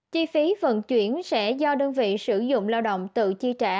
chi phí vận chuyển sẽ do đơn vị sử dụng lao động tự chi trả